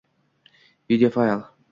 Video fayl